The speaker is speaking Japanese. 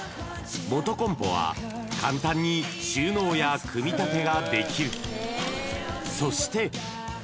モトコンポは簡単に収納や組み立てができるそして！